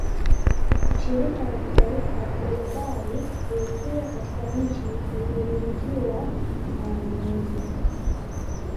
Shirika la kitaifa lilodai kuingia katika nchi iliyomilikwa na walowezi